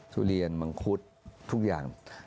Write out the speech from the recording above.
ทุเรียนมังคุดทุกอย่าง